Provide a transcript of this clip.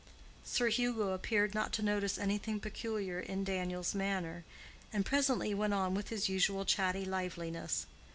Sir Hugo appeared not to notice anything peculiar in Daniel's manner, and presently went on with his usual chatty liveliness.